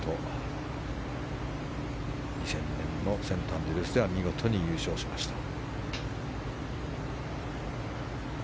２０００年のセントアンドリュースでは見事に優勝しました。